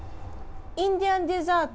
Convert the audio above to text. インディアンデザート？